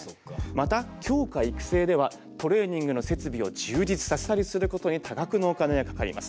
また強化育成ではトレーニングの設備を充実させたりすることに多額のお金がかかります。